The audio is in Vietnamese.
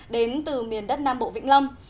đến từ miền đất nam bộ vĩnh long